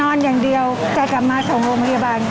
ขอบคุณมากด้วยค่ะพี่ทุกท่านเองนะคะขอบคุณมากด้วยค่ะพี่ทุกท่านเองนะคะ